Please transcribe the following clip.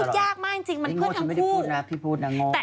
พูดยากมากจริงมันเพื่อนทั้งคู่